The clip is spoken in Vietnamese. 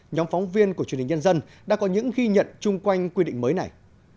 nhóm phóng viên của truyền hình nhân dân đã có những ghi nhận chung quanh quy định mới này